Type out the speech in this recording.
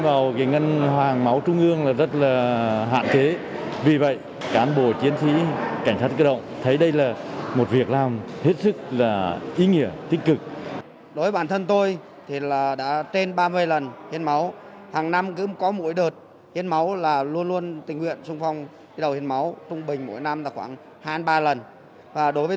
và một số cán bộ chiến sĩ tiểu đoàn cảnh sát cơ động đã tích cực tham gia hiến một đơn vị